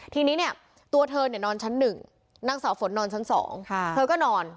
ทีนี้เนี่ยตัวเธอเนี่ยนอนชั้น๑นางสาวฝนนอนชั้น๒เธอก็นอน